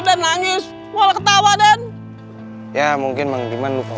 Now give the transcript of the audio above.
dan nangis walau ketawa dan ya mungkin memang iman lupa